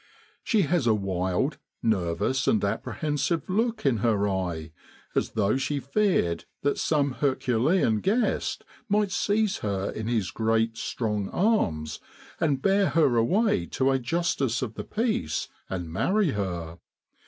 She has a wild, nervous and apprehensive look in her eye as though she feared that some Herculean guest might seize her in his great, strong arms and bear her away to a justice of the peace and marry her.